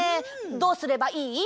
どうすればいい？